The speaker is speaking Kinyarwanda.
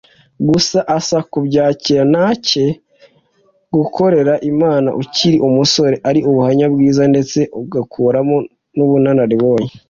gusa aza kubyakira na cyane ko gukorera Imana ukiri umusore ari ubuhamya bwiza ndetse ugakuramo n'ubunararibonye